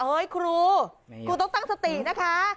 ครูครูต้องตั้งสตินะคะ